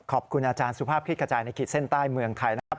ขอบคุณอาจารย์สุภาพคลิกกระจายในขีดเส้นใต้เมืองไทยนะครับ